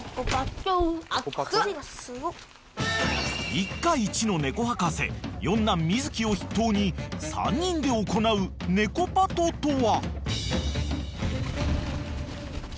［一家イチのネコ博士四男瑞喜を筆頭に３人で行う猫パトとは？］